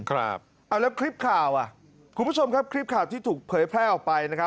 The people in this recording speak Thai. เอาละคลิปข่าวอ่ะคุณผู้ชมครับคลิปข่าวที่ถูกเผยแพร่ออกไป